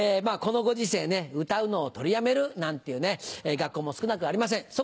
このご時世歌うのを取りやめるなんていう学校も少なくありません。